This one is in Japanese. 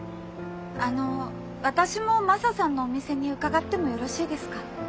あの私もマサさんのお店に伺ってもよろしいですか？